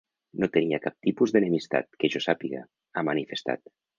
No tenia cap tipus d’enemistat, que jo sàpiga, ha manifestat.